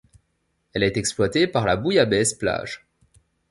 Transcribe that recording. Elle est exploitée par La Bouillabaisse-Plage.